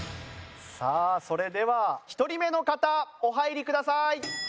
さあそれでは１人目の方お入りください。